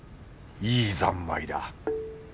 いい三昧だ。